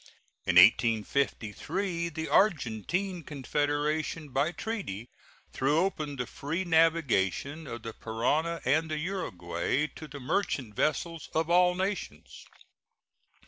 In 1853 the Argentine Confederation by treaty threw open the free navigation of the Parana and the Uruguay to the merchant vessels of all nations.